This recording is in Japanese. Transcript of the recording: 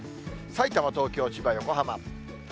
さいたま、東京、千葉、横浜。